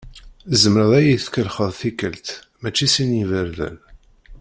Tzemreḍ ad iyi-tkelḥeḍ tikkelt mačči sin n yiberdan.